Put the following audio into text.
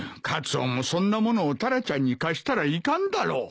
カツオもそんなものをタラちゃんに貸したらいかんだろ。